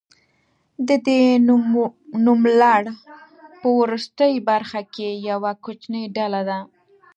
د دې نوملړ په وروستۍ برخه کې یوه کوچنۍ ډله ده.